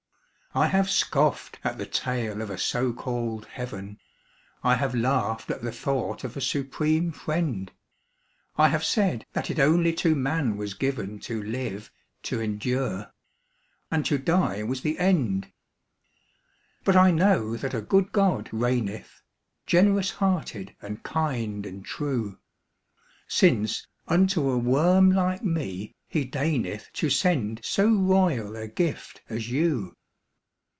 I have scoffed at the tale of a so called heaven; I have laughed at the thought of a Supreme Friend; I have said that it only to man was given To live, to endure; and to die was the end. But I know that a good God reigneth, Generous hearted and kind and true; Since unto a worm like me he deigneth To send so royal a gift as you.